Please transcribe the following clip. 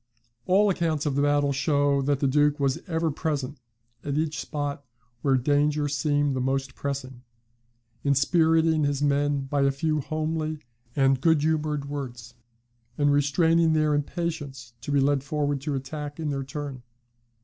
'" All accounts of the battle show that the Duke was ever present at each spot where danger seemed the most pressing; inspiriting his men by a few homely and good humoured words; and restraining their impatience to be led forward to attack in their turn.